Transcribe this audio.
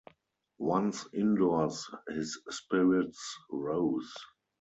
Once indoors his spirits rose.